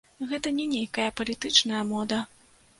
Гэта не нейкая палітычная мода.